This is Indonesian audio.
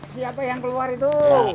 siapa yang keluar itu